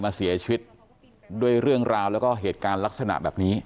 เสียชีวิตด้วยเรื่องราวแล้วก็เหตุการณ์ลักษณะแบบนี้